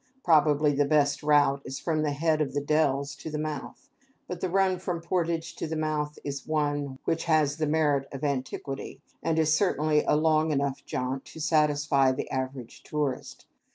Probably the best route is from the head of the Dells to the mouth; but the run from Portage to the mouth is the one which has the merit of antiquity, and is certainly a long enough jaunt to satisfy the average tourist.